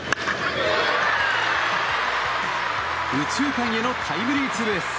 右中間へのタイムリーツーベース。